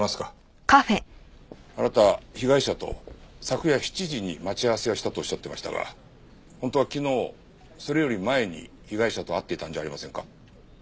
あなた被害者と昨夜７時に待ち合わせをしたとおっしゃっていましたが本当は昨日それより前に被害者と会っていたんじゃありませんか？